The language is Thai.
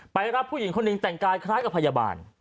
รับผู้หญิงคนหนึ่งแต่งกายคล้ายกับพยาบาล